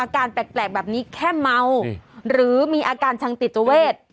อาการแปลกแปลกแบบนี้แค่เมาหรือมีอาการชังติดเจ้าเวส